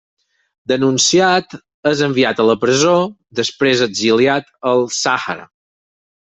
Denunciat, és enviat a la presó, després exiliat al Sàhara.